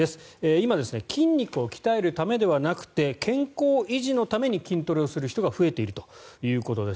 今、筋肉を鍛えるためではなくて健康維持のために筋トレをする人が増えているということです。